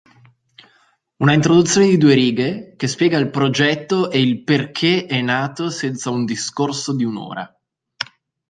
Una introduzione di due righe che spiega il progetto e il perché è nato senza un discorso di un'ora.